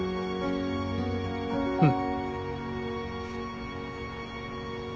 うん。